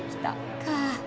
かあ。